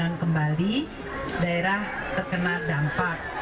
dan kembali daerah terkena dampak